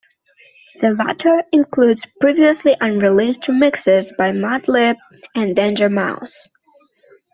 The latter includes previously unreleased remixes by Madlib and Danger Mouse.